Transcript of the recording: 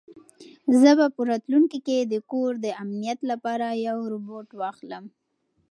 زه به په راتلونکي کې د کور د امنیت لپاره یو روبوټ واخلم.